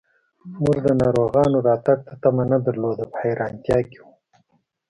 موږ د ناروغانو راتګ ته تمه نه درلوده، په حیرانتیا کې و.